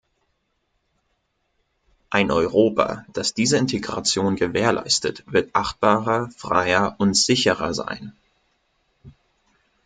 Ein Europa, das diese Integration gewährleistet, wird achtbarer, freier und sicherer sein.